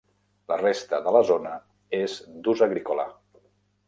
La resta de la zona és d'ús agrícola.